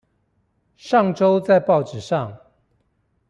上週在報紙上